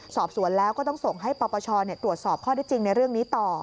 สอบสวนแล้วก็ต้องส่งให้ปปชตรวจสอบข้อได้จริงในเรื่องนี้ต่อ